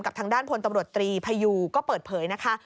ทางด้านพลตำรวจตรีพยูก็เปิดเผยนะคะ